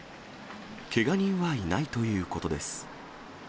けが人はいないということです。